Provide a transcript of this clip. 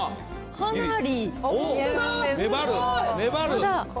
かなり。